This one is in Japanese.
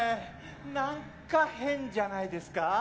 何か変じゃないですか？